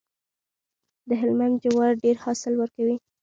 د هلمند جوار ډیر حاصل ورکوي.